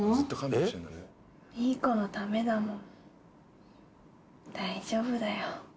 ミーコのためだもん大丈夫だよ